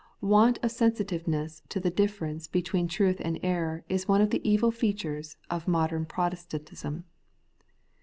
Want of sensitiveness to the difiference between truth and error is one of the evil features of modem Protestantism.